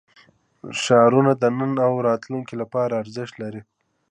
ښارونه د نن او راتلونکي لپاره ارزښت لري.